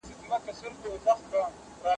په کاروبار کې د پای ټکی مه ږده.